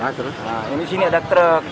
nah terus ini sini ada truk